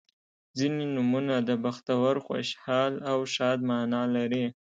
• ځینې نومونه د بختور، خوشحال او ښاد معنا لري.